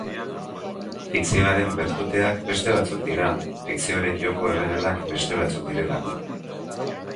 Fikzioaren bertuteak beste batzuk dira, fikzioaren joko-erregelak beste batzuk direlako.